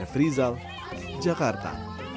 f rizal jakarta